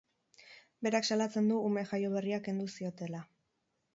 Berak salatzen du ume jaio-berria kendu ziotela.